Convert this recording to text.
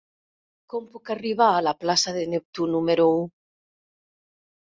Com puc arribar a la plaça de Neptú número u?